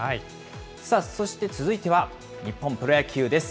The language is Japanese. そして続いては日本プロ野球です。